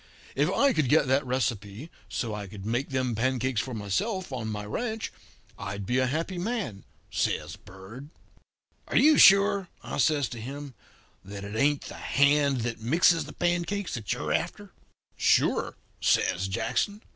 If I could get that recipe, so I could make them pancakes for myself on my ranch, I'd be a happy man,' says Bird. "'Are you sure,' I says to him, 'that it ain't the hand that mixes the pancakes that you're after?' "'Sure,' says Jackson.